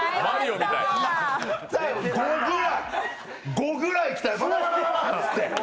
５ぐらい来たよ。